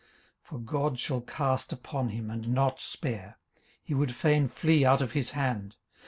18:027:022 For God shall cast upon him, and not spare: he would fain flee out of his hand.